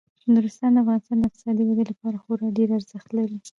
نورستان د افغانستان د اقتصادي ودې لپاره خورا ډیر ارزښت لري.